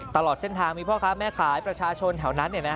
ตลอดเส้นทางมีพ่อค้าแม่ขายประชาชนแถวนั้น